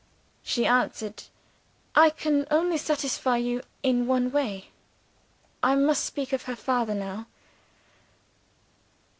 "She answered, 'I can only satisfy you in one way. I must speak of her father now.